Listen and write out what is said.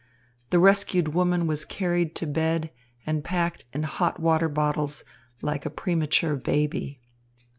The rescued woman was carried to bed and packed in hot water bottles, like a premature baby.